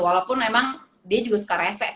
walaupun emang dia juga suka rest